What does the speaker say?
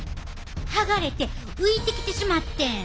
剥がれて浮いてきてしまってん。